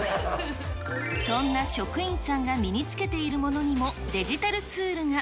そんな職員さんが身に着けているものにもデジタルツールが。